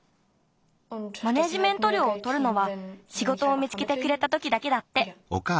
マネージメントりょうをとるのはしごとを見つけてくれたときだけだって。